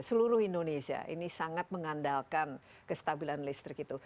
seluruh indonesia ini sangat mengandalkan kestabilan listrik itu